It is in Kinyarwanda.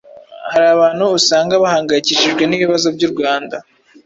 hari abantu usanga bahangayikishijwe n’ibibazo by’u Rwanda